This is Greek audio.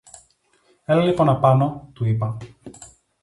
Έλα λοιπόν απάνω, του είπα